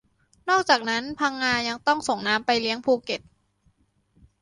นอกจากนั้น พังงา ยังต้องส่งน้ำไปเลี้ยงภูเก็ต